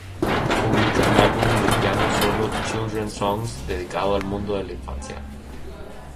Publica el album de piano solo "Children Songs" dedicado al mundo de la infancia.